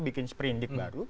bikin seperindik baru